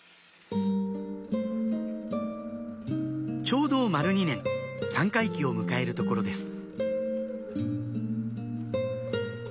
ちょうど丸２年三回忌を迎えるところです